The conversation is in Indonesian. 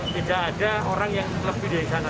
tidak ada orang yang lebih dari sana